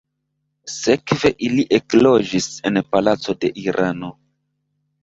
Sekve ili ekloĝis en palaco de Irano.